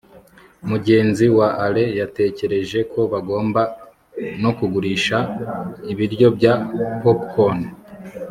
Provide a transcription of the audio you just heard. mugenzi wa alain yatekereje ko bagomba no kugurisha ibiryo bya popcorn